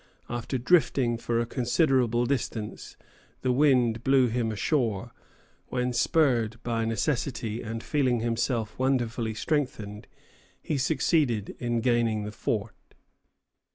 After drifting for a considerable distance, the wind blew him ashore, when, spurred by necessity and feeling himself "wonderfully strengthened," he succeeded in gaining the fort.